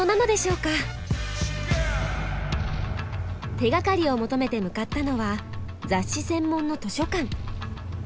手がかりを求めて向かったのは雑誌専門の図書館。